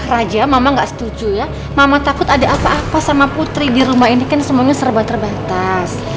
raja mama gak setuju ya mama takut ada apa apa sama putri di rumah ini kan semuanya serba terbatas